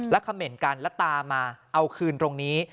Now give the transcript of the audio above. เขม่นกันแล้วตามมาเอาคืนตรงนี้